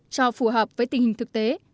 cho phù hợp với tình hình thực tế